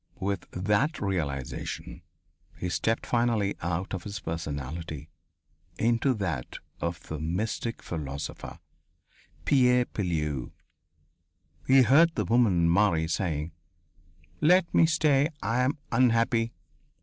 With that realization, he stepped finally out of his personality into that of the mystic philosopher, Pierre Pilleux. He heard the woman Marie saying: "Let me stay. I am unhappy."